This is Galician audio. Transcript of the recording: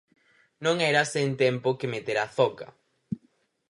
non era sen tempo que metera a zoca